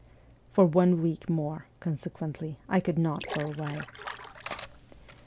For one week more, conse quently, I could not go away.